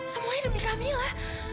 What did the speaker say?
semuanya demi kamila